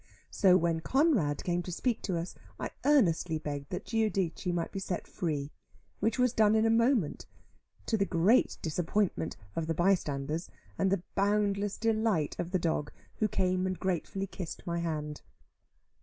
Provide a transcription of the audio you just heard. So when Conrad came to speak to us, I earnestly begged that Giudice might be set free, which was done in a moment, to the great disappointment of the bystanders, and the boundless delight of the dog, who came and gratefully kissed my hand.